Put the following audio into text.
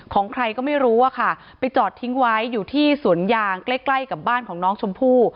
ของใครก็ไม่รู้อะค่ะไปจอดทิ้งไว้อยู่ที่สวนยางใกล้ใกล้กับบ้านของน้องชมพู่